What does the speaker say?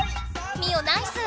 ミオナイス！